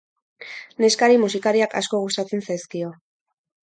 Neskari musikariak asko gustatzen zaizkio.